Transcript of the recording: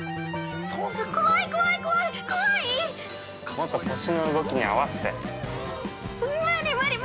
◆もっと腰の動きに合わせて。